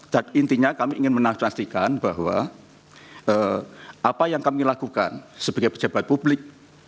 dan intinya kami ingin menafsastikan bahwa apa yang kami lakukan sebagai pejabat publik